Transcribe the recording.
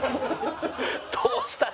どうしたん？